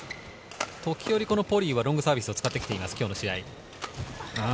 時折、このポリイはロングサービスを使って来ます、今日の試合。